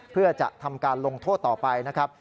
เพื่อจะทำการลงโทษต่อไปนะครับ